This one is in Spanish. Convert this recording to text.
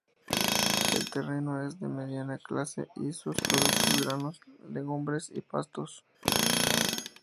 El terreno, es de mediana clase, y sus productos, granos, legumbres y pastos.